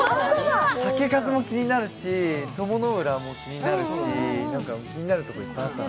酒粕も気になるし、鞆の浦も気になるし、気になるところいっぱいあったな。